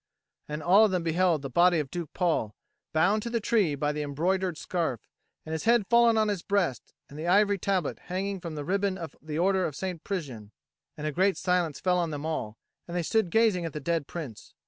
and all of them beheld the body of Duke Paul, bound to the tree by the embroidered scarf, his head fallen on his breast, and the ivory tablet hanging from the riband of the Order of St. Prisian. And a great silence fell on them all, and they stood gazing at the dead prince.